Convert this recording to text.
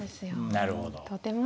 なるほど。